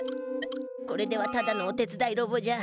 これではただのお手つだいロボじゃ。